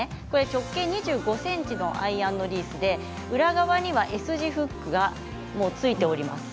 直径２５ｃｍのアイアンのリースで裏側にＳ字フックがもう付いています。